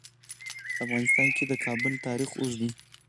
په افغانستان کې د کابل تاریخ اوږد دی.